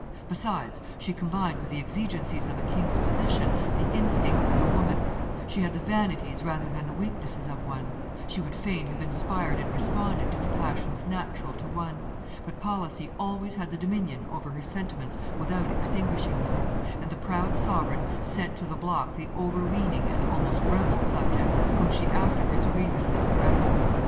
Besides, she combined with the exigencies of a king's position the instincts of a woman; she had the vanities rather than the weaknesses of one; she would fain have inspired and responded to the passions natural to one; but policy always had the dominion over her sentiments without extinguishing them, and the proud sovereign sent to the block the overweening and almost rebel subject whom she afterwards grievously regretted.